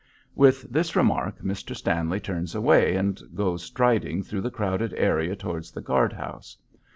With this remark Mr. Stanley turns away and goes striding through the crowded area towards the guard house.